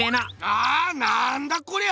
ああっなんだこりゃ